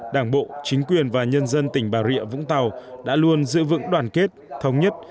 đảng bộ chính quyền và nhân dân tỉnh bà rịa vũng tàu đã luôn giữ vững đoàn kết thống nhất